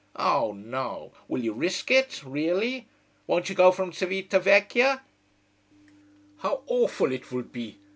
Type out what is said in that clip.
Oh no will you risk it, really? Won't you go from Cività Vecchia?" "How awful it will be!"